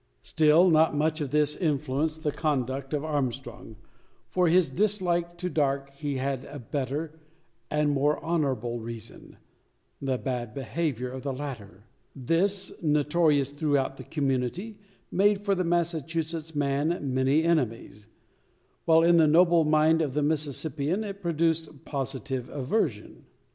Still, not much of this influenced the conduct of Armstrong. For his dislike to Darke he had a better, and more honourable, reason the bad behaviour of the latter. This, notorious throughout the community, made for the Massachusetts man many enemies; while in the noble mind of the Mississippian it produced positive aversion.